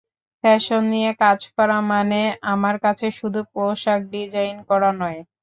Fashion নিয়ে কাজ করা মানে আমার কাছে শুধু পোশাক ডিজাইন করা নয়।